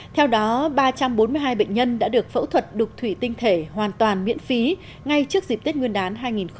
theo đó ba trăm bốn mươi hai bệnh nhân đã được phẫu thuật đục thủy tinh thể hoàn toàn miễn phí ngay trước dịp tết nguyên đán hai nghìn hai mươi